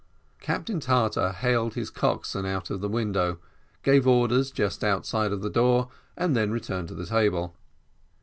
Captain Tartar hailed his coxswain out of the window, gave orders just outside of the door, and then returned to the table.